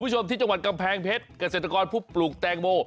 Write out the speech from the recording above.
คุณผู้ชมที่จังหวัดกำแพงเพชรเกษตรกรผู้ปลูกแตงโม